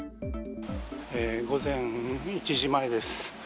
午前１時前です。